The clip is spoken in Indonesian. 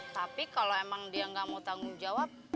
tapi kalau emang dia nggak mau tanggung jawab